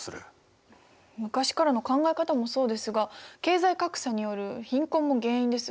昔からの考え方もそうですが経済格差による貧困も原因です。